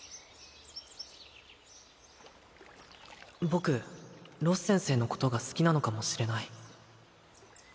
僕ロス先生のことが好きなのかもしれない